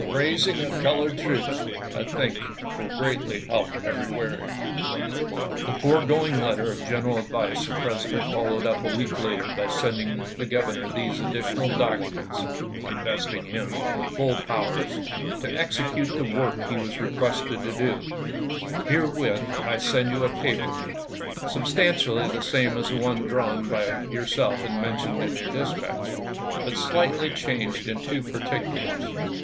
raising of colored troops, I think, will greatly help every way. The foregoing letter of general advice the Presi dent followed up a week later by sending the Grov ernor these additional documents, investing him with full powers to execute the work he was re quested to do :" Herewith I send you a paper, substantially the same as the one drawn by your self and mentioned in your dispatch, but slightly changed in two particulars.